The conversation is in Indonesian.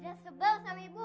ida sebel sama ibu